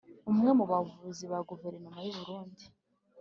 umwe mu bavugizi ba guverinoma y’u burundi